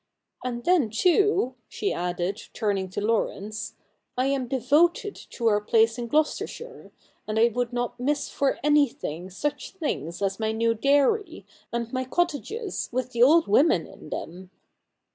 ' And then, too,' she added, turning to Laurence, ' I am devoted to our place in Gloucestershire, and I would not miss for anything such things as my new dairy, and my cottages, with the old women in them.'